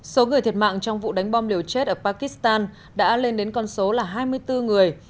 số người thiệt mạng trong vụ đánh bom liều chết ở pakistan đã lên đến con số là hai mươi bốn người